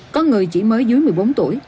có người chỉ mới dưới một mươi bốn tuổi